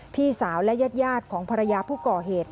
พี่สาวและญาติของภรรยาผู้ก่อเหตุ